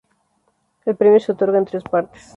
El premio se otorga en tres partes.